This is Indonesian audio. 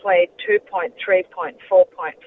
yang disebut dua tiga empat empat b